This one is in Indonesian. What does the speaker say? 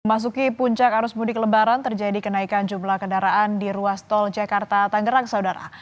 masuki puncak arus mudik lebaran terjadi kenaikan jumlah kendaraan di ruas tol jakarta tanggerang saudara